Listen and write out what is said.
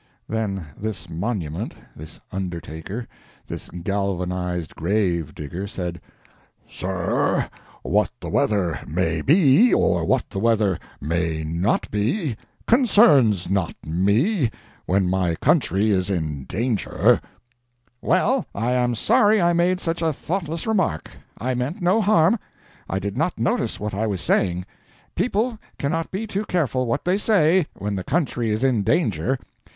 Then this monument, this undertaker, this galvanized graveyard said: "Sir, what the weather may be, or what the weather may not be, concerns not me, when my country is in danger." "Well—I am sorry I made such a thoughtless remark. I meant no harm—I did not notice what I was saying. People cannot be too careful what they say, when the country is in danger.